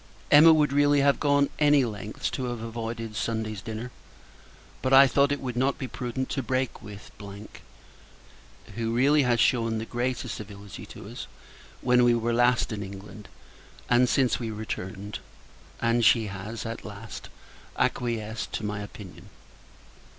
Emma would really have gone any lengths, to have avoided Sunday's dinner. But I thought it would not be prudent to break with ; who, really, has shewn the greatest civility to us, when we were last in England, and since we returned: and she has, at last, acquiesced to my opinion.